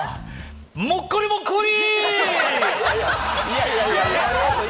もっこり、もっこり！